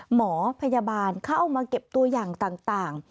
หมอพยาบาลเข้ามาเก็บตัวอย่างต่าง